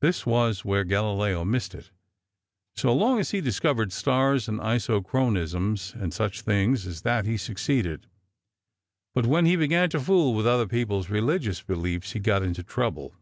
This was where Galileo missed it. So long as he discovered stars and isochronisms and such things as that he succeeded, but when he began to fool with other people's religious beliefs he got into trouble.